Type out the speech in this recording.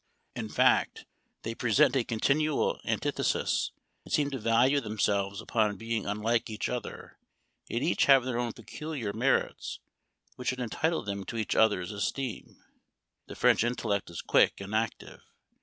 " In fact, they present a continual antithe sis, and seem to value themselves upon being unlike each other ; yet each have their peculiar merits, which should entitle them to each other's esteem. The French intellect is quick and active.